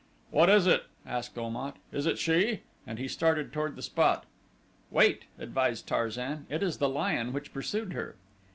"What is it?" asked Om at. "It is she?" and he started toward the spot. "Wait," advised Tarzan. "It is the lion which pursued her."